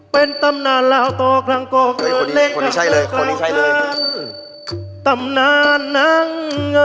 เป็นตำนานราวต่อคลังกล่องเงินเลขกล่าวนั้นตำนานนั้ง